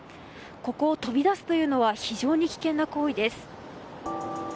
ここを飛び出すというのは非常に危険な行為です。